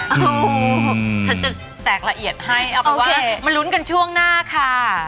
โอ้โหฉันจะแตกละเอียดให้เอาเป็นว่ามาลุ้นกันช่วงหน้าค่ะ